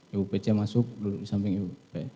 ibu pecah masuk duduk di samping ibu